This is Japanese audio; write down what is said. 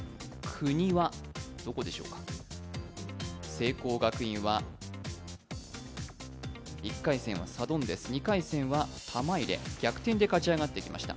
聖光学院は１回戦はサドンデス２回戦は玉入れ、逆転で勝ち上がってきました。